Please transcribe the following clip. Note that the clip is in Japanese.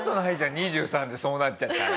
２３でそうなっちゃったら。